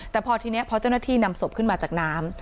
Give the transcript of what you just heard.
แต่พอทีนี้พอเจ้าหน้าที่นำศพขึ้นมาจากน้ำ